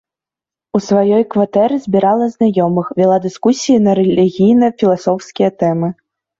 У сваёй кватэры збірала знаёмых, вяла дыскусіі на рэлігійна-філасофскія тэмы.